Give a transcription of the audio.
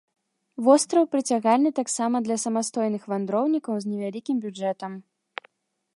Востраў прыцягальны таксама для самастойных вандроўнікаў з невялікім бюджэтам.